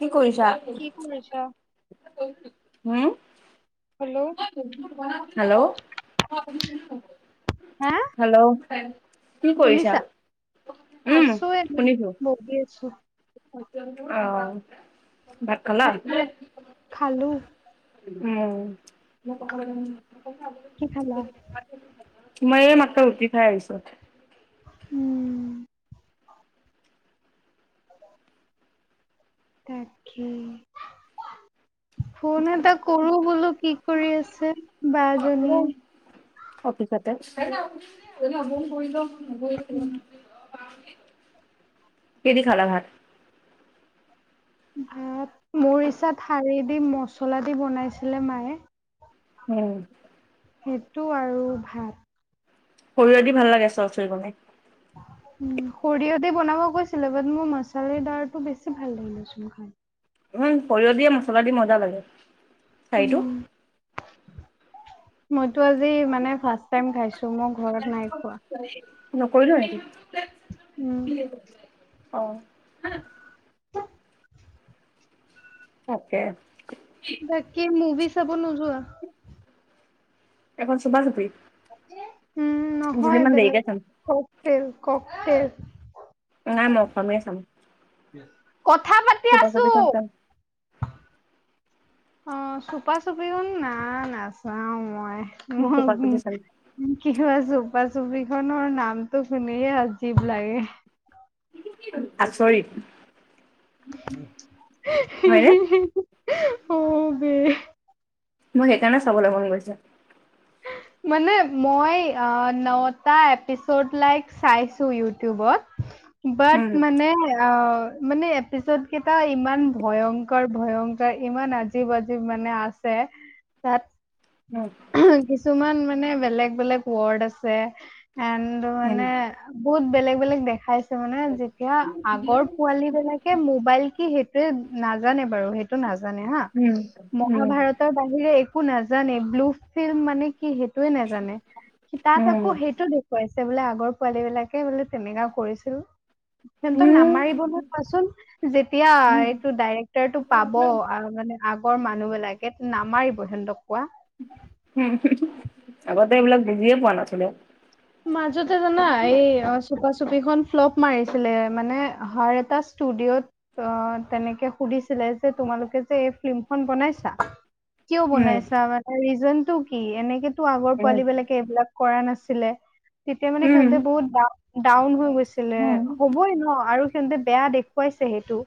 উ [unintelligible] কি কৰিছা? হু হেল্ল'। হেল্ল'। হা হেল্ল'। শুনিছা? উম, আছো এনে শুনিছো। বহি আছো। অ, ভাত খালা? খালো। উম [unintelligible] কি খালা? মই এই মাত্ৰ ৰুটি খাই আহিছো। উম। তাকেই। ফোন এটা কৰো বোলো কি কৰি আছে বাজনীয়ে। অফিচতে [unintelligible] কি দি খালা ভাত? ভাত মোৰ ইচ্ছাত থালি দি মচলা দি বনাইছিলে মায়ে। উম। সেইতো আৰু ভাত। সৰিয়হ দি ভাল লাগে চৰচৰি বনাই। [inaudible] উম সৰিয়হ দি বনাব কৈছিলে বাট মোৰ মচালাদাৰটো বেছি ভাল লাগিলেচোন খাই। উম সৰিয়হ দিয়ে মচলা দি মজা লাগে চাইটো। উম মইতো আজি মানে ফাৰ্ষ্ট টাইম খাইছো। মোৰ ঘৰত নাই খোৱা। নকৰিলো উম নেকি? অ তাকে। বাকি মুভি চাব নোযোৱা? এখন চুপা চুপি উম, দুদিন নহয় মান দেৰিকে বেলেগ। চাম। Cocktail, cocktail. নাই মই অসমীয়াই চাম। [inaudible] পাতি চুপা আছো চুটি খন চাম। অ চুপা চুপি খন না নাচাও মই। মই চুপা চুপি চাম। উম কি হয় চুপা চুপ ছবিখনৰ নামটো শুনিয়ে আজীৱ লাগে। আচৰিত। হয়নে? অ বে মোক সেইকাৰণে চাবলৈ মন গৈছে। [unintelligible] মানে মই নটা এপিচড লাইক চাইছো ইউটিউবত। বাট উম, মানে অ মানে এপিছদ কেইটা ইমান ভয়ংকৰ, ভয়ংকৰ। ইমান আজিৱ আজিৱ মানে আছে। তাত উম, কিছুমান মানে বেলেগ বেলেগ ৱৰ্ড আছে এণ্ড উম, মানে বহুত বেলেগ বেলেগ দেখাইছে। মানে যেতিয়া আগৰ পোৱালী বিলাকে মোবাইল কি সেইটোয়ে নাজানে বাৰু সেইটো নাজানে হা। উম, উম, মহাভাৰতৰ বাহিৰে একো নাজানে, ব্লু ফিল্ম মানে কি সেইটোৱে নাজানে। তাত আকৌ উম, সেইটো দেখুৱাইছে। বোলে আগৰ পোৱালীবিলাকে বোলে তেনেকা কৰিছিল। সিহঁতক নামাৰিব উম, নহয় কোৱাচোন। যেতিয়া উম, এইটো ডাইৰেক্টৰ টো পাব আৰু মানে আগৰ মানুহ বিলাকে নামাৰিব সিহঁতক কোৱা। আগতে এইবিলাক বুজিয়ে পোৱা নাছিলো মাজতে জানা এই অ চুপা চুপি চুপি খন ফ্লপ মাৰিছিলে মানে অ হাৰ এটা ষ্টুডিঅ'ত অ তেনেকে সুধিছিলে যে তোমালোকে যে এই ফিল্মখন বনাইছা কিয় উম, বনাইছা মানে ৰিজন টো কি এনেকেতো আগৰ উম, পোৱালি বিলাকে এইবিলাক কৰা নাছিল তেতিয়া মানে উম, সিহঁতে বহুত ডা ডাউন হৈ গৈছিলে উম, হ'বই ন আৰু তেন্তে বেয়া দেখুৱাইছে সেইটো,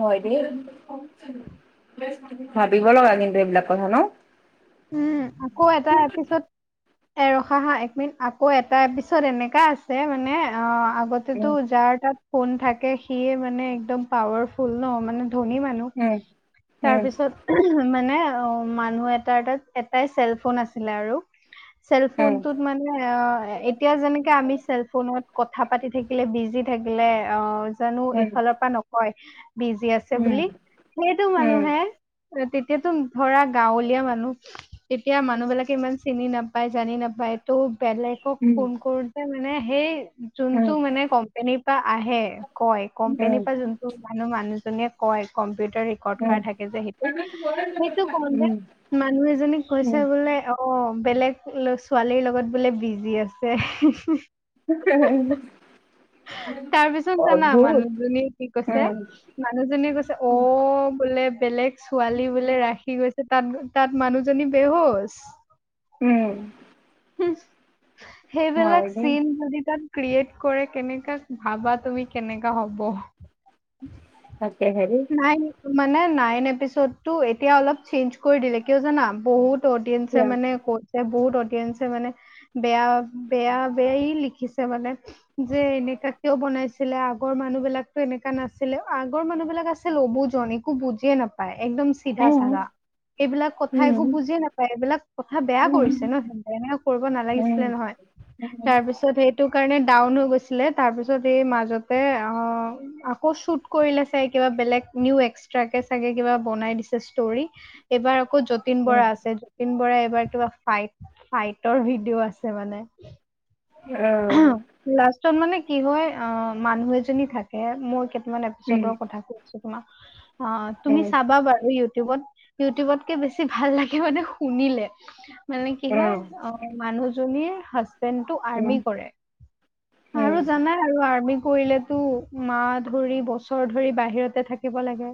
হয় দেই ভাবিব লগা কিন্তু এইবিলাকত ন উম আকৌ এটা এপিছত এ ৰখা হা এক মিনিট আকৌ এটা এপিছত এনেকা আছে মানে অ আগতেতো উম, যাৰ তাত ফোন থাকে সিয়ে মানে একদম পাৱাৰফুল ন মানে ধনী মানুহ উম, উম, তাৰপিছত মানে অ মানুহ এটা তাৰ তাত এটাই চেল ফোন আছিলে আৰু চেলফোন টোত উম, মানে এতিয়া যেনেকে আমি চেলফোনত কথা পাতি থাকিলে বিজি থাকিলে অ জানো এইফালৰ পৰা নকয় বিজি আছে উম, বুলি সেইটো উম, মানুহে তেতিয়াতো ধৰা গাঁৱলীয়া মানুহ, তেতিয়া মানুহ বিলাকে ইমান চিনি নাপায় জানি নাপায় টো বেলেগক উম, ফোন কৰোতে মানে সেই উম, উম, যোনতটো মানে কোম্পনীৰ পৰা আহে কয় কোম্পেনীৰ উম, পৰা যোনটো মানুহ মানুহ কয় কম্পিউটাৰ ৰেকৰ্ড কৰা উম, থাকে যে সেইটো সেইটো কম দে উম, মানুহ এজনীক উম, কৈছে বোলে অ বেলেগ ছোৱালীৰ লগত বোলে বিজি আছে ওহ হে হে হে, হয় তাৰ পিছত জানা মানুহজনী কি কৈছে উম, মানুহজনীয়ে কৈছে অ বোলে বেলেগ ছোৱালী বোলে ৰাখি গৈছে তাত তাত মানুহজনী বেহচ উম হয় সেইবিলাক দেই, চিন যদি তাত ক্ৰিয়েট কৰে কেনেকা ভাবা তুমি কেনেকা হ'ব তাকে হে নাইন মানে নাইন এপিচোদটো এতিয়া অলপ চেঞ্চ কৰি দিলে কিয় জানা বহুত অডিয়েঞ্চে মানে কৈছে বহুত মানে বেয়া বেয়া বেয়াই লিখিছে মানে যে এনেকুৱা কিয় বনাইছিলে আগৰ মানুহ বিলাকো এনেকা নাছিলে আগৰ মানুহ বিলাক আছিল। ল'বোজন একো বুজিয়ে নাপায় একদম চিধা উম, চাধা এইবিলাক কথা একো উম, বুজিয়ে নাপায় এইবিলাক কথা বেয়া কৰিছে ন স এনেকে কৰিব নালাগিছিলে নহয়, তাৰপিছত সেইটো সেইকাৰণে ডাউন হৈ গৈছিলে তাৰ পিছত এই মাজতে অ আকৌ শুট কৰিলে চ কিবা, বেলেগ নিউ এক্সট্ৰাকে চাগে কিবা বনাই দিছে ষ্টৰি এইবাৰ আকৌ যতীন বৰা আছে যতীন বৰাই যতিন বৰাই কিবা ফাইট ফাইটৰ ভিডিঅ' আছে মানে আহ ত মানে কি হয় অ মানুহ এজনী থাকে মই কেইটান এপিচদৰ কথা কছো, অ অ তুমি চাবা বাৰু ইউটিউব ইটিউবত ইউটিউবতকে বেছি ভাল লাগে মানে শুনিলে মানে কি হয় অ মানুহজনীৰ হাজবেণ্ডটো আৰ্মিত আৰু জানাই আৰু কৰিলেতো মাহ ধৰি বছৰ ধৰি বাহিৰতে থাকিব লাগে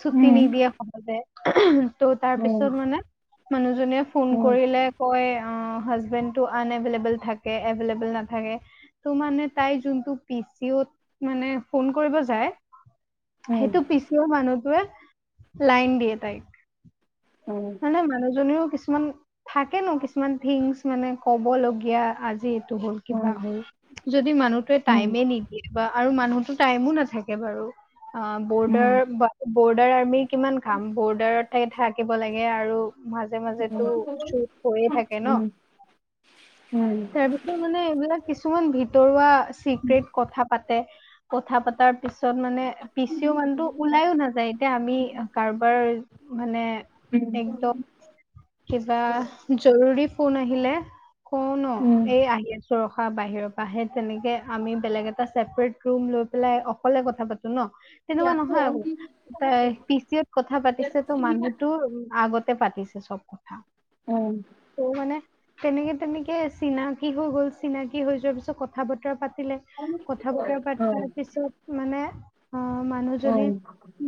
চুতি নিদিয়ে সহজে। ত' তাৰ পিছত মানে মানুহজনীয়ে ফোন কৰিলে কয় অঁ হাজবেণ্ডটো আন এভেইলেবল থাকে। এবেলেবুল নাথাকে, ত মানে তাই যোনতো পি, চি, অঁ, মানে ফন কৰিব যে সেইটো পিচিও মানুহটোৱে লাইন দিয়ে তাইক মানে মানুহজনীও কিছু কিছুমান থাকেনো। কিছুমান থিংছ মানে ক'বলগীয়া আজিত! হল কিবা হ'ল যদি মানুহটোৱে টাইমে নিদিয়ে বা আৰু মানুহতো টাইমো নাথাকে বাৰু অঁ বৰ্ডাৰ বৰ্ডাৰ আৰ্মিক কিমান খাম বৰ্ডাৰত থাকে থ আঁকিব লাগে আৰু মাজে মাজে তো চুট হৈয়ে থাকে ন। তাৰ পিছত মানে এইবিলাক কিছু কিছুমান ভিতৰুৱা চিক্ৰেট কথা পাতে কথা পতাৰ পিছত পত মানে পিচিও মানুতো ওলাইওঁ নাযায় এতিয়া আমি কাৰোবাৰ মানে একদম কিবা জৰুৰী ফোন আহিলে। কন এই আহি আছে। চ ৰখা বাহিৰৰ পৰা সে তেনেকে আমি বেলেগ এটা ছেপাৰেট ৰুম লৈ। অকলে কথা পাটো ন তেনেকুৱা নহয় অ। পি চি অ ত কথা পাতিছেটো মাই। আহুটো উম। আগতে পাতিছে চব কথা। ত মানে তেনেকে তেনেকে চিনাক। কি হৈ গ'ল। চিনাকি হৈ যোৱাৰ পিছত কথা বতৰা পা। পাতিলে। কথা বতৰা পাতাৰ পিছত মানে। অঁ মানুহ যদি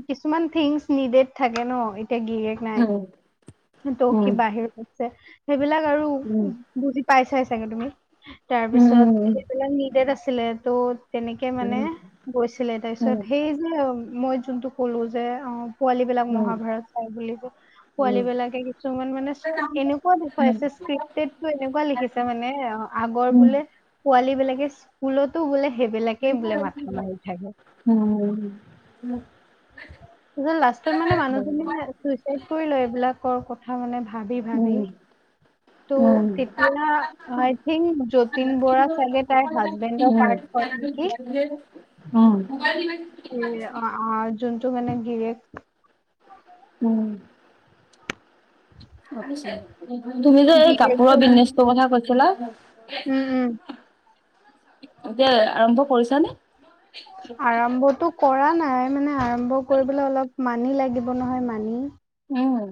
কিছুমান থিংচ নিডেড থাকে ন এতিয়া গিৰিয়েক নাই। ত সি বাহিৰত আছে। সেইবিলাক আৰু বুজি পাই চাই চাগে তুমি। তাৰপিছত সেইবিলাক নিডেড আছিলে ত'। তেনেকে মানে গৈছিলে। তাৰপিছত সেই যে মই যোনটো কলো যে অঁ। পোৱালী বিলাক মহাভাৰত চাই বুলি ক। পোৱালী বিলাকে কিছুমান মানে এনেকুৱা দেখুৱাইছে স্কৃপটেদটো এনেকুৱা লিখিছে মানে অঁ। আগৰ বোলে পোৱালী বিলাকে স্কুলতো বোলে। সেইবিলাকেই বোলে মাথা মাৰি থাকে। তাচত লাষ্টত মানে মানুহজনিয়ে চুচাইদ কৰি লয় বোলে কৰ কথা মানে। ভাবি ভাবি। ত তেতিয়া, I think um, Jatin Bora চাগে তাইৰ হাজবেণ্ডৰ পাৰ্ট। কৰে নেকি ওম। এ অঁ অঁ যোনটো মানে গিৰিয়েক। উম। তুমি যে এই গিৰিয়েকটো কাপোৰৰ মানে বিজনেচটোৰ কথা কৈছিলা? [unintelligible] এতিয়া আৰম্ভ কৰিছো। আৰম্ভতো কৰা নাই মানে আৰম্ভ কৰিবলৈ অলপ মানি লাগিব নহয় মানি। উম।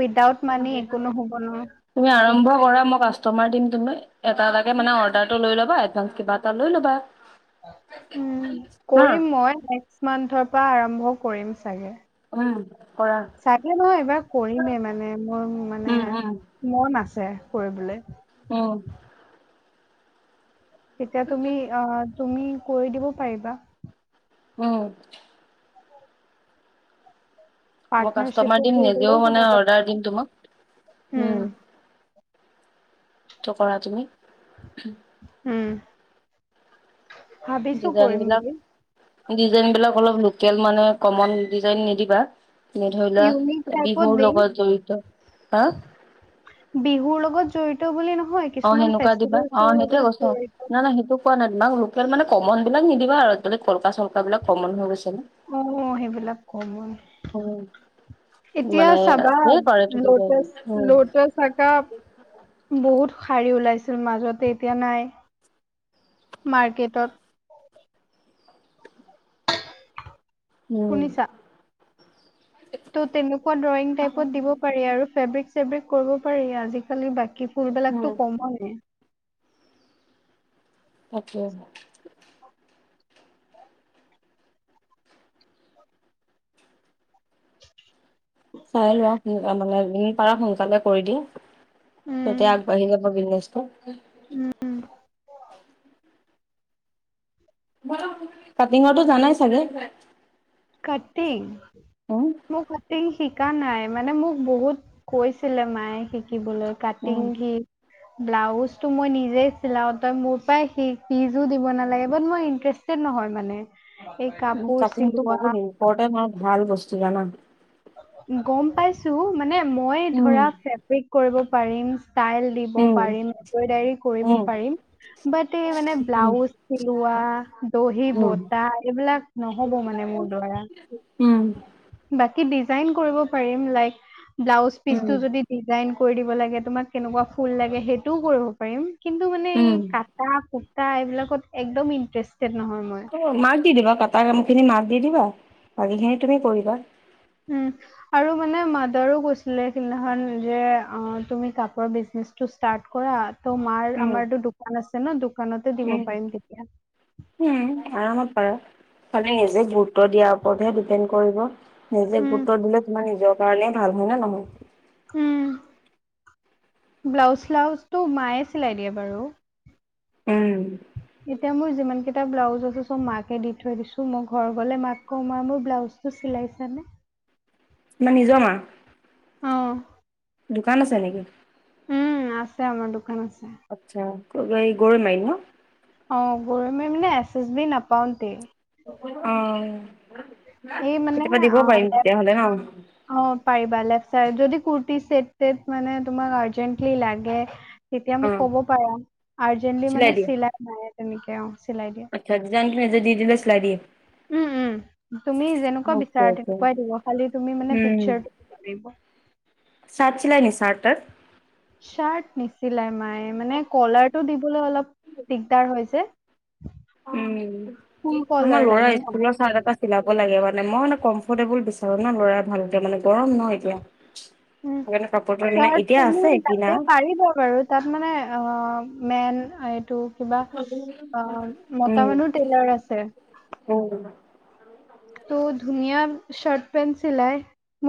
উইদাউট মানি একো নহ'ব নহয় তুমি আৰম্ভ কৰা। মোক আছ কাষ্টমাৰ দিম তুমি। এটা এটাকে মানে অৰ্ডাৰটো লৈ ল'বা। এডভান্স কিবা এটা লৈ ল'বা। উম হা কৰিম মই। নেক্স মান্থৰ পৰা আৰম্ভ কৰিম চাগে। উম। কৰা চাগে নহয় এবাৰ কৰিমেই মানে মই মানে উম উম মন আছে। কৰিবলৈ। উম। তেতিয়া তুমি আহ তুমি কৰি দিব পাৰিবা। উম। মই কাষ্টমাৰ পাৰ্টনাৰশ্বিপত দিম হৈ নিজেও গ'লেও কোনো মানে কথা অৰ্ডাৰ নাই। দিম তোমাক। উম, ত কৰা তুমি। উম। ভাবিছো কৰিম বুলি। ডিজাইনবিলাক অলপ লোকেল মানে, কমন ডিজাইন নিদিবা। এনে ধৰি ইউনিক লোৱা টাইপত বিহুৰ দিম। লগত জড়িত। হা। বিহুৰ লগত জৰিত অ' সেনেকুৱা দিবা। অ' সেইটোৱে লগত কৈছো। জড়িত। নাই নাই সেইটো কোৱা নাই তোমাক। লোক কেল মানে কমনবিলাক নিদিবা আৰু কলকা-চলকা অ' সেইবিলাক কমন। উম এতিয়া মানে চাবা ধেৰ কৰে টো ডিজাইন লোটচ-লোটচ একাপ। বহুত শাৰী ওলাইছিল মাজতে, এতিয়া নাই। মাৰ্কেটত। উম। শুনিছা? ত' তেনেকুৱা ড্ৰয়িং টাইপত দিব পাৰি আৰু। ফেব্ৰিক-চেব্ৰিক কৰিব পাৰি আজিকালি বাকী। উম ফুলবিলাকটো কমনেই। তাকে। চাই লোৱা সোন, মানে যিমান পাৰা সোনকালে কৰি দিয়া। উম, তেতিয়া আগবাঢ়ি যাব [unintelligible] কাটিঙৰটো জানাই চাগে। কাটিং, উম মোৰ কাটিং শি শিকা নাই মানে, মোক বহুত কৈছিলে মায়ে শিকিবলৈ উম কাটিং শিক। ব্লাউজোটো মই নিজে চিলাও। তই মোৰ পৰা শিক ফিজো দিব নালাগে। বাট মই ইণ্টাৰেষ্ট নহয় মানে। এই উম, কাপোৰ চিল কাটিংটো বহুত ইম্পৰ্টেণ্ট হয়। ভাল বস্তু জানা? গম পাইছো, মানে মই উম, ধৰা ফেব্ৰিক কৰিব পাৰিম। ষ্টাইল দিব উম, পাৰিম। এমব্ৰইডাৰী কৰিব উম, পাৰিম। বাত এই মানে, উম, ব্লাউজ চিলোৱা, দহি উম, বতা এইবিলাক নহ'ব। নহ'ব মানে মোৰ দ্বাৰা। উম, বাকী ডিজাইন কৰিব পাৰিম। লাইক ব্লাউজ উম, পিচটো যদি ডিজাইন কৰি দিব লাগে, তোমাক কেনেকুৱা ফুল লাগে সেইটোও কৰিব পাৰিম কিন্তু মানে এই উম। কাটা টা এইবিলাকত একদম ইণ্টাৰেষ্ট অ' মাক দি দিবা কাটা কামখিনি মাক দি দিবা। বাকীখিনি তুমি কৰিবা। উম, আৰু মানে মাদাৰো কৈছিলে সেইদিনাখন যে অ' তুমি কাপোৰ বিজনে ষ্টাৰ্ট কৰা। ত' মাৰ উম, আমাৰটো দোকান আছে ন? দোকানতে দিব উম, পাৰিম তেতিয়া। উম, আৰামত পাৰা। খালি নিজে গুৰুত্ব দিয়াৰ ওপৰতহে ডিপেণ্ড কৰিব। নিজে উম গুৰুত্ব দিলে তোমাৰ নিজৰ কাৰণেই ভাল। হয় নে নহয়? উম ব্লাউজ-শ্লাউজটো মায়ে চিলাই দিয়ে বাৰু। উম। এতিয়া মোৰ যিমানকেইটা ব্লাউজ আছে চব মাকে দি থৈ দিছো, মই ঘৰ গ'লে মাক কওঁ, মা মোৰ ব্লাউজ চিলাইছা নে? মা নিজৰ মা। দোকান আছে নেকি? উম আছে আমাৰ দোকান আছে। আচ্ছা। গৰৈমাৰীত ন? অ' গৰৈমাৰী মানে এচএছবি নাপাওঁতে। অ'। এই মানে কেতিয়াবা দিব আ, পাৰিম তেতিয়াহ'লে ন? অ পাৰিবা লেফট যদি কুুৰ্তি চেট-তেট মানে তোমাক আৰ্জেন্টলি লাগে তেতিয়া মোক অ', ক'ব পাৰা। আৰ্জেন্টলি মানে চিলাই মায়ে তেনেকে। চিলাই দিয়ে আচ্ছা ডিজাইনখিনি দি দিলে চিলাই দিয়ে? উম। উ তুমি যেনেকুৱা বিচাৰা তেনেকুৱাই দিব খালি তুমি মানে উম পিকচাৰ দিব লাগিব। চাৰ্ট ছিলাই নি চাৰ্ট তাত? চাৰ্ট নিছিলাই মায়ে মানে কলাৰটো দিবলৈ অলপ দিগদাৰ হয় যে। ফুল উম আমাৰ কলাৰ ল'ৰা লাগে স্কুলৰ ন চাৰ্ট এটা চিলাব লাগে মানে মই মানে কম এফটেবল বিচাৰো ন ল'ৰাই ভালতে মানে গৰম নহ এতিয়া উ সেইকাৰণে কাপোৰটো মানে চাৰ্ট এতিয়া আছে তুমি কিনা তাতে পাৰিব বাৰু তাত মানে অ মেইন এইটো কিবা অ মতা উম মানুহৰ টেইলাৰ আছে। উম ত' ধুনীয়া চাৰ্ট পেন্ট চিলাই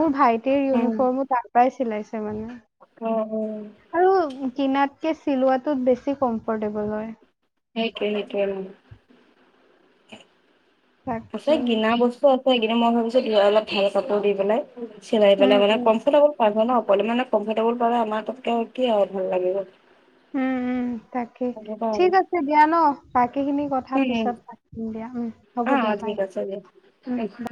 মোৰ ভাইটিৰ ইউনিফৰ্মো তাৰ পৰাই চিলাইছে মানে অহ অহ আৰু কিনাতকে চিলোৱাটোত বেছি কম্ফৰ্টেবল হয়। সেইটোৱ সেইটোৱে। আছে তাকে গিনা বস্তু আছে কিন্তু মই ভাবিছো ধৰা অলপ ভাল কাপোৰ দি পেলাই চিলাই উম পেলাই মানে উম কম্ফৰ্টেবল পাব ন। মানে কমফটেবল কৰে আমাৰ ততকে কি আৰু ভাল লাগিব উম উম তাকে সেইটো ঠিক কাৰণে আছে দিয়া ন বাকী খিনি কথা উম পিছত পাতিম দিয়া উম হ'ব অ অ দিয়া বাই ঠিক আছে দিয়া।